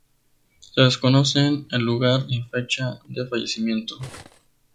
Se desconocen el lugar y fecha de fallecimiento.